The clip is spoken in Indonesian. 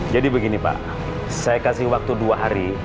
begini pak saya kasih waktu dua hari